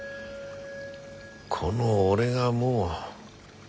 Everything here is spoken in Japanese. この俺がもう。